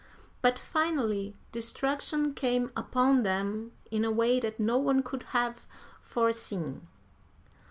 But finally destruction came upon them in a way that no one could have foreseen.